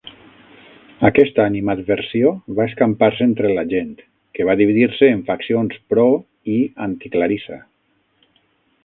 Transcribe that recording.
Aquesta animadversió va escampar-se entre la gent, que va dividir-se en faccions pro- i anti-Clarissa.